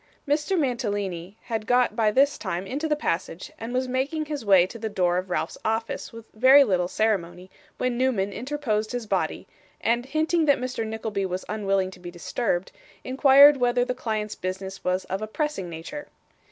Mr. Mantalini had got by this time into the passage, and was making his way to the door of Ralph's office with very little ceremony, when Newman interposed his body; and hinting that Mr. Nickleby was unwilling to be disturbed, inquired whether the client's business was of a pressing nature.